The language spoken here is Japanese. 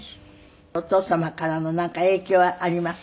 お父様からのなんか影響はありますか？